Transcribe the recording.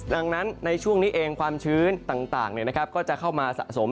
ดังนั้นในช่วงนี้เองความชื้นต่างก็จะเข้ามาสะสม